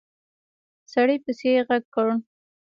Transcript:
سړي پسې غږ کړ!